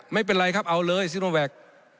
ไม่เป็นไรครับเอาเลยซิโนแวค